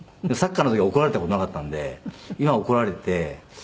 サッカーの時は怒られた事なかったんで今怒られて。